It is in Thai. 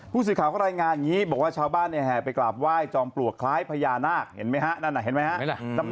ผู้สื่อข่าวก็รายงานอย่างนี้บอกว่าชาวบ้านเนี่ยแห่ไปกราบไหว้จอมปลวกคล้ายพญานาคเห็นไหมฮะนั่นน่ะเห็นไหมฮะ